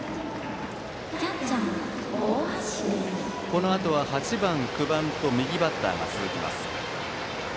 このあとは８番、９番と右バッターが続きます。